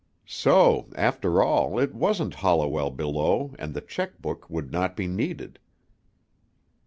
So, after all, it wasn't Holliwell below and the check book would not be needed.